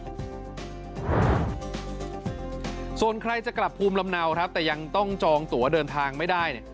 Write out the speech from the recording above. โดยเวลาส่วนใครจะกลับภูมิลำเนาแต่ยังต้องจองตัวเดินทางไม่ได้